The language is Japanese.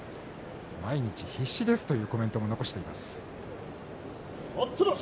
毎日必死ですというコメントを残しています。